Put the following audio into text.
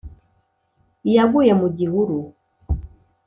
Iyaguye mu gihuru